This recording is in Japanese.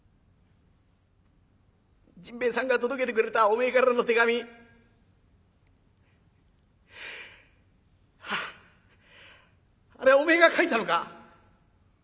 甚兵衛さんが届けてくれたおめえからの手紙あれおめえが書いたのか？